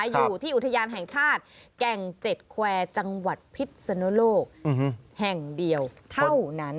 อยู่ที่อุทยานแห่งชาติแก่ง๗แควร์จังหวัดพิษนุโลกแห่งเดียวเท่านั้น